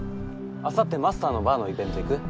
明後日マスターのバーのイベント行く？